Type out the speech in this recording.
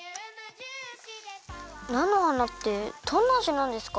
なのはなってどんなあじなんですか？